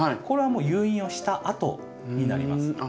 これはもう誘引をしたあとになります。